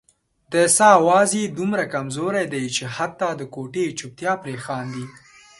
د ساه اواز یې دومره کمزوری دی چې حتا د کوټې چوپتیا پرې خاندي.